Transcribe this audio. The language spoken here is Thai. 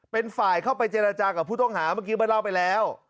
เป็นฝ่ายเข้าไปเจรจากับผู้ต้องหาเมื่อกี้เมื่อเล่าไปแล้ว